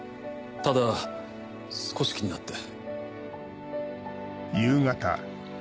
ただ少し気になって。